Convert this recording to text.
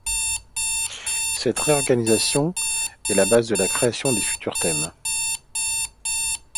Cette réorganisation est la base de la création des futurs thèmes.